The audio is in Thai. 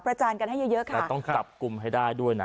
จานกันให้เยอะเยอะค่ะต้องจับกลุ่มให้ได้ด้วยนะ